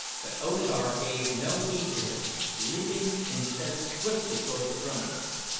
But O Tar gave no heed to him, leaping instead swiftly toward the throne.